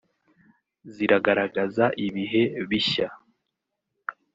ziragaragaza ibihe bishya